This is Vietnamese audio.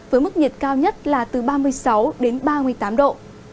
với mức nhiệt cao nhất là từ ba mươi sáu đến ba mươi tám độ